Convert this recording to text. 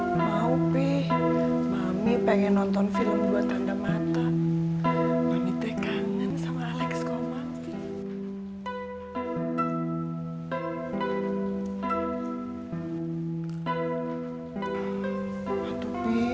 mau pih mami pengen nonton film dua tanda mata wanita kanan sama alex komasi